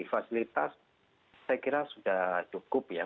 fasilitas saya kira sudah cukup ya